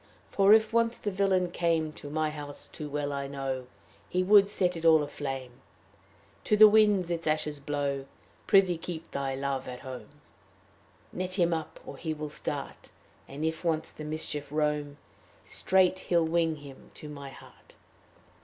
"For if once the villain came To my house, too well I know He would set it all aflame To the winds its ashes blow. "Prithee keep thy Love at home; Net him up or he will start; And if once the mischief roam, Straight he'll wing him to my heart."